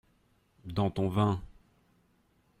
Dans ton vin.